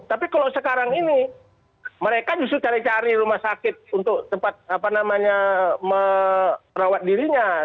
tapi kalau sekarang ini mereka justru cari cari rumah sakit untuk tempat apa namanya merawat dirinya